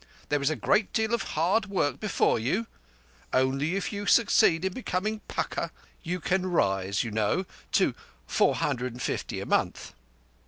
There is a great deal of hard work before you. Only, if you succeed in becoming pukka, you can rise, you know, to four hundred and fifty a month."